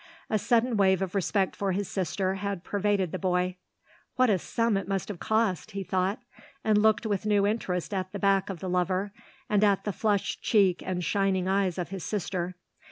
A sudden wave of respect for his sister had pervaded the boy. "What a sum it must have cost," he thought, and looked with new interest at the back of the lover and at the flushed cheek and shining eyes of his sister.